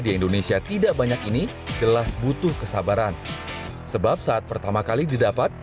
di indonesia tidak banyak ini jelas butuh kesabaran sebab saat pertama kali didapat